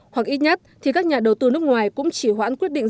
hoặc ít nhất thì các nhà đầu tư nước ngoài cũng chỉ hoãn quyết định